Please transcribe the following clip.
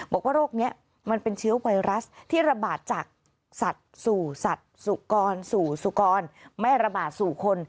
บอกว่าโรคนี้มันเป็นเชื้อไวรัสที่ระบาดจากสัตว์สู่สัตว์สุกรสู่สุกรไม่ระบาดสู่คน